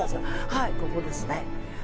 はいここですね。